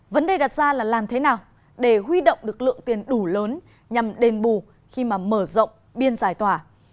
vấn đề đặt ra là làm thế nào để huy động được lượng tiền đủ lớn nhằm đền bù khi mà mở rộng biên giải tỏa